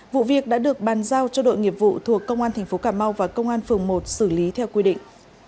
vụ việc đã được bàn giao cho đội nghiệp vụ thuộc công an tp cà mau và công an phường một xử lý theo quy định